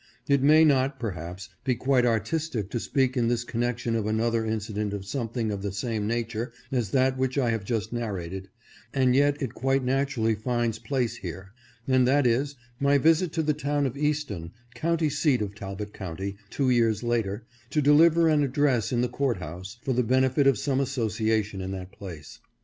It may not, perhaps, be quite artistic to speak in this connection of another incident of something of the same nature as that which I have just narrated, and yet it quite naturally finds place here ; and that is, my visit to the town of Easton, county seat of Talbot County, two years later, to deliver an address in the Court House, for the benefit of some association in that place.